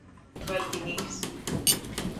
Vaļdinīks.